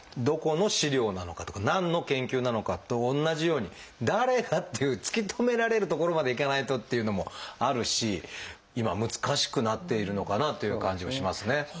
「どこの資料なのか」とか「何の研究なのか」と同じように「誰が」っていう突き止められるところまでいかないとっていうのもあるし今難しくなっているのかなという感じはしますね。